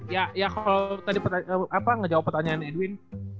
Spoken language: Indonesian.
ya ya kalau tadi ngejawab pertanyaan edwin